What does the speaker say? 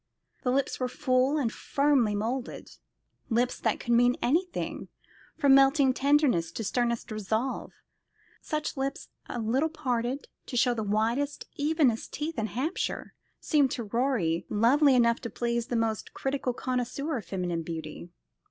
The lips were full and firmly moulded lips that could mean anything, from melting tenderness to sternest resolve. Such lips, a little parted to show the whitest, evenest teeth in Hampshire, seemed to Rorie lovely enough to please the most critical connoisseur of feminine beauty.